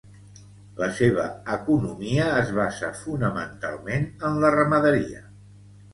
La seva economia es basa fonamentalment en la ramaderia.